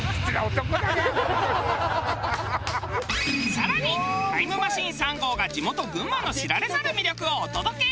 更にタイムマシーン３号が地元群馬の知られざる魅力をお届け。